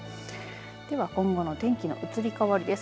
では今後の天気の移り変わりです。